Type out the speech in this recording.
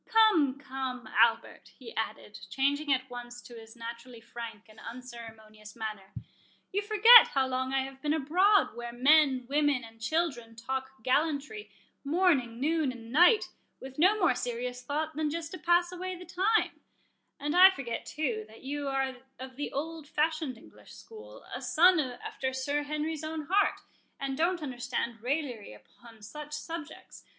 —Come, come, Albert," he added, changing at once to his naturally frank and unceremonious manner, "you forget how long I have been abroad where men, women, and children, talk gallantry morning, noon, and night, with no more serious thought than just to pass away the time; and I forget, too, that you are of the old fashioned English school, a son after Sir Henry's own heart, and don't understand raillery upon such subjects.